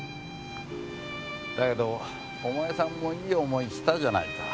だけどお前さんもいい思いしたじゃないか。